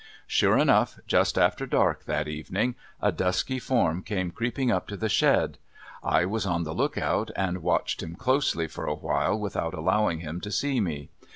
Sure enough, just after dark, that evening, a dusky form came creeping up to the shed. I was on the lookout, and watched him closely for a while without allowing him to see me.